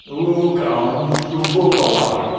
"Who comes to Bukawai?"